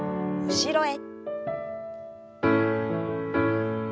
後ろへ。